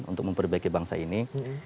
untuk memperbaiki bangsa ini